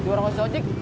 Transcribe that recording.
dari warung haji sodik